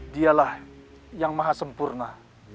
dialah yang mahasempurna